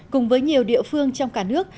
cùng với nhiều địa phương trong cả nước